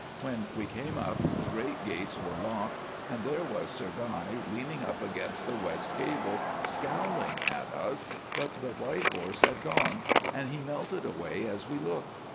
When we came up the great gates were locked, and there was Sir Guy leaning up against the west gable scowling at us, but the white horse had gone, and he melted away as we looked.